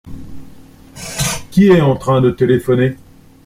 Qui est en train de téléphoner ?